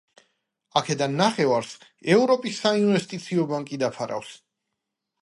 აქედან ნახევარს ევროპის საინვესტიციო ბანკი დაფარავს.